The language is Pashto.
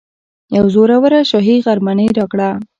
یوه زوروره شاهي غرمنۍ راکړه.